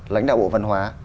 lãnh đạo bộ văn hóa